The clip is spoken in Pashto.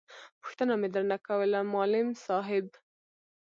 پوښتنه مې در نه کوله ما …ل …م ص … ا .. ح… ب.